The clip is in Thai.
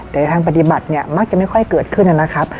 แต่ทางปฏิบัติเนี่ยมักจะไม่ค่อยเกิดขึ้นนะครับ